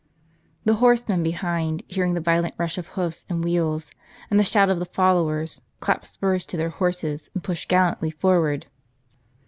The horsemen behind hearing the violent rush of hoofs and wheels, and the shout of the followers, clapped spurs to their horses, and pushed gallantly forward.